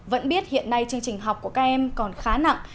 vẫn biết hiện nay chương trình học của các em còn khá nặng